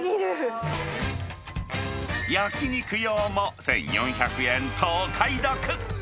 焼き肉用も１４００円と、お買い得。